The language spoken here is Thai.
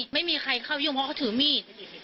ไม่มีใครเข้ายุ่งเพราะเขาถือมีด